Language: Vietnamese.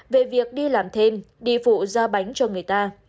về việc đi làm thêm đi phụ ra bánh cho người ta